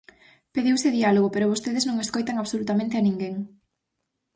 Pediuse diálogo, pero vostedes non escoitan absolutamente a ninguén.